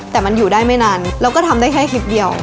แต่มันอยู่ได้ไม่นานเราก็ทำได้แค่คลิปเดียว